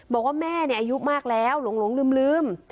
บอกว่าแม่เนี้ยอายุมากแล้วหลงหลงลืมลืม